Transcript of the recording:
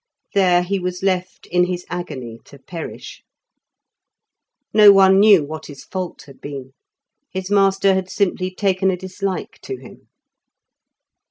There he was left in his agony to perish. No one knew what his fault had been; his master had simply taken a dislike to him.